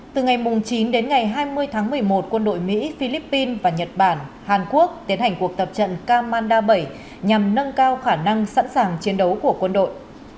từ ngày chín đến ngày hai mươi tháng một mươi một quân đội mỹ philippines và nhật bản hàn quốc tiến hành cuộc tập trận kamanda bảy nhằm nâng cao khả năng sẵn sàng chiến đấu của quân đội